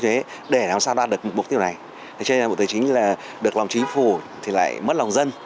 thế cho nên bộ tài chính được lòng chính phủ thì lại mất lòng dân